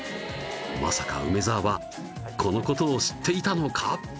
まさか梅沢はこのことを知っていたのか？